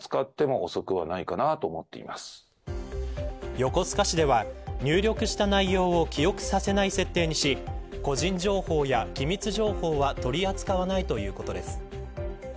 横須賀市では入力した内容を記憶させない設定にし個人情報や機密情報は取り扱わないということです。